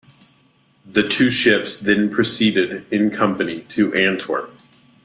The two ships then proceeded in company to Antwerp.